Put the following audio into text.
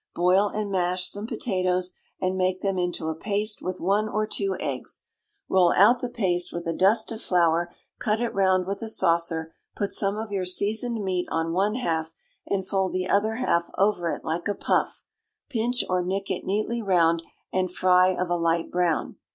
Boil and mash some potatoes, and make them into a paste with one or two eggs; roll out the paste, with a dust of flour, cut it round with a saucer, put some of your seasoned meat on one half, and fold the other half over it like a puff; pinch or nick it neatly round, and fry of a light brown.